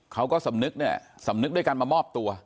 เขาก็สำนึกด้วยกันมามอบตัว